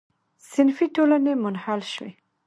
صنفي ټولنې منحل شوې.